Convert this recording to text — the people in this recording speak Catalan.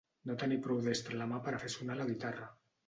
No tenir prou destra la mà per a fer sonar la guitarra.